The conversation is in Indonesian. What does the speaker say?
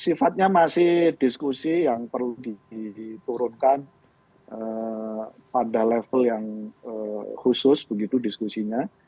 sifatnya masih diskusi yang perlu diturunkan pada level yang khusus begitu diskusinya